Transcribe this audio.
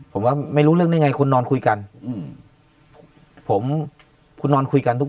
ผมว่าไม่รู้เรื่องได้ไงคุณนอนคุยกันอืมผมคุณนอนคุยกันทุก